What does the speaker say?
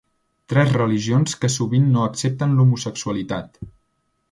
Tres religions que sovint no accepten l'homosexualitat.